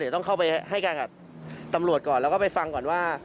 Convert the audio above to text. เดี๋ยวต้องเข้าไปให้การกับตำรวจก่อนแล้วก็ไปฟังก่อนว่า